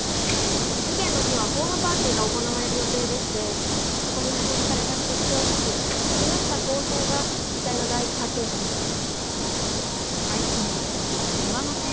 事件の日はホームパーティーが行われる予定でしてそこに派遣された出張シェフ木下公平が遺体の第一発見者でした。